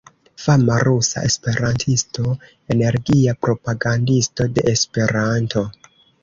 Fama rusa esperantisto, energia propagandisto de Esperanto.